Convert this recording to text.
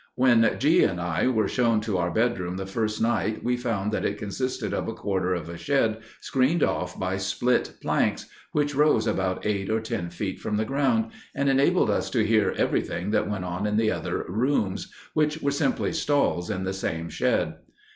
When G—— and I were shown to our bedroom the first night we found that it consisted of a quarter of a shed screened off by split planks, which rose about eight or ten feet from the ground, and enabled us to hear everything that went on in the other "rooms," which were simply stalls in the same shed.